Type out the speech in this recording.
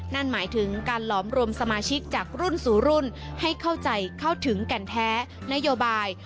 นั่นหมายถึงการหลอมรวมสมาชิกจากรุ่นสู่รุ่นให้เข้าใจเข้าถึงแก่นแท้นโยบาย